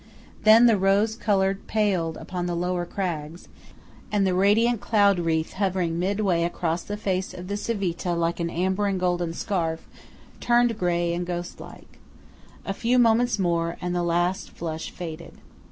Then the rose colour paled upon the lower crags; and the radiant cloud wreath hovering midway across the face of the Civita like an amber and golden scarf, turned grey and ghostlike. A few moments more, and the last flush faded.